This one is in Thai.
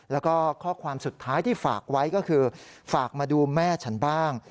แล้วก็ข้อความสุดท้ายที่ฝากไว้ก็คือฝากมาดูแม่ฉันบ้าง